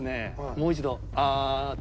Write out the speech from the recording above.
もう一度「あー」と。